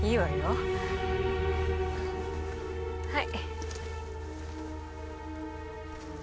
はい。